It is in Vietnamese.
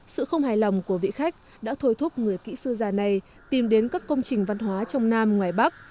sự không hài lòng của vị khách đã thôi thúc người kỹ sư già này tìm đến các công trình văn hóa trong nam ngoài bắc